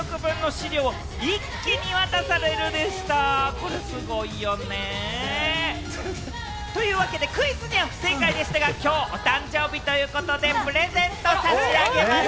これすごいよね。というわけで、クイズには不正解でしたが、きょうお誕生日ということでプレゼントを差し上げます。